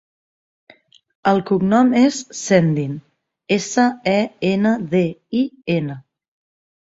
El cognom és Sendin: essa, e, ena, de, i, ena.